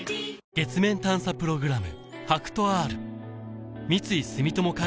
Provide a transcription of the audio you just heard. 月面探査プログラム